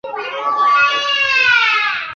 不要忘了有两种路线